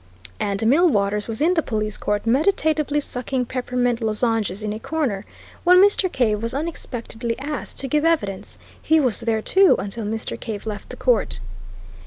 And Millwaters was in the police court, meditatively sucking peppermint lozenges in a corner, when Mr. Cave was unexpectedly asked to give evidence; he was there, too, until Mr. Cave left the court.